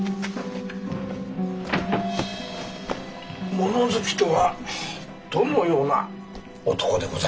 物好きとはどのような男でございます？